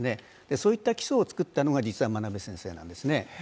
そういった基礎を作ったのが実は真鍋先生なんですね。